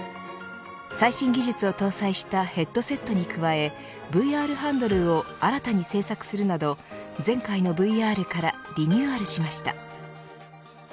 最新技術を搭載したヘッドセットに加えＶＲハンドルを新たに制作するなど前回のＶＲからリニューアルしました。